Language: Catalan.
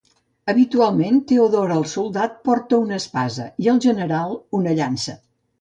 Habitualment, Teodor el Soldat porta una espasa i el General una llança.